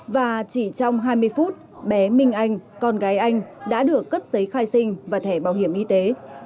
và chỉ trong hai mươi phút bé minh anh con gái anh đã được cấp giấy khai sinh và thẻ bảo hiểm y tế